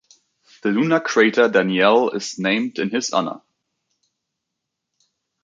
The lunar crater Daniell is named in his honour.